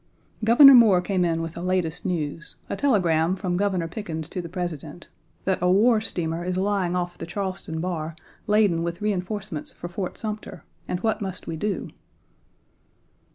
Governor Moore came in with the latest news a telegram Page 9 from Governor Pickens to the President, " that a war steamer is lying off the Charleston bar laden with reenforcements for Fort Sumter, and what must we do?"